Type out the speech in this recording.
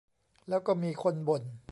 แล้วก็มีคนบ่น